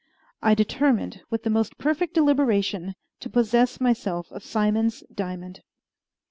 I determined, with the most perfect deliberation, to possess myself of Simon's diamond.